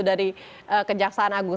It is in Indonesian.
itu dari kejaksaan agung